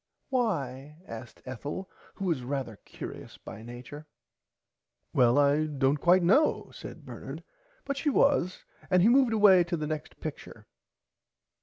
Why asked Ethel who was rarther curious by nature. Well I dont quite know said Bernard but she was and he moved away to the next picture.